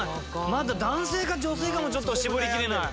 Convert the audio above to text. まだ男性か女性かも絞りきれない。